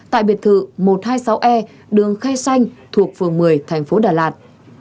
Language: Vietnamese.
tại biệt thự một trăm hai mươi sáu e đường khay xanh thuộc phường một mươi thành phố đà lạt